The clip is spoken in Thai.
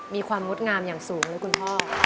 มีความมดงามอย่างสูงเลยคุณพ่อ